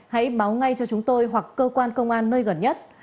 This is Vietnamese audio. hãy báo ngay cho chúng tôi hoặc cơ quan công an nơi gần nhất